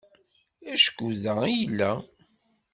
Acku da i yella.